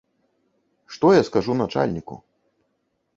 Што я скажу начальніку?